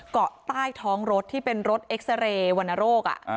เกาะใต้ท้องรถที่เป็นรถเอ็กซาเรย์วรรณโรค